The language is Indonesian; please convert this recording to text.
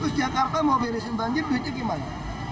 terus jakarta mau beresin banjir duitnya gimana